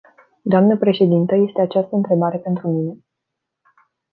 Dnă președintă, este această întrebare pentru mine?